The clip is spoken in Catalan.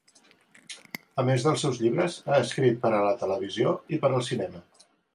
A més dels seus llibres, ha escrit per a la televisió i per al cinema.